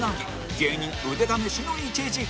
芸人腕試しの１時間